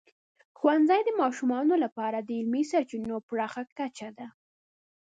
ښوونځی د ماشومانو لپاره د علمي سرچینو پراخه کچه ده.